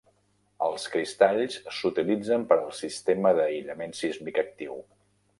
Els cristalls s'utilitzen per al "sistema d'aïllament sísmic actiu".